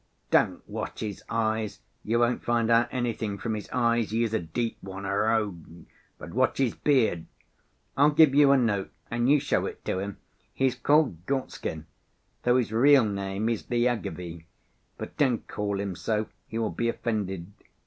Don't watch his eyes, you won't find out anything from his eyes, he is a deep one, a rogue—but watch his beard! I'll give you a note and you show it to him. He's called Gorstkin, though his real name is Lyagavy; but don't call him so, he will be offended.